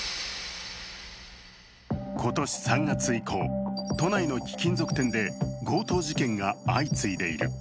今年３月以降、都内の貴金属店で強盗事件が相次いでいる。